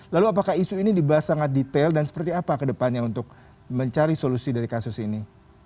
lalu apakah isu ini dibahas sangat detail dan seperti apa ke depannya untuk mencari solusi dari kasus ini